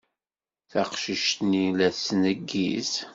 Taqcict-nni la tettneggiz.